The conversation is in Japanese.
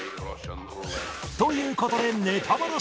という事でネタバラシ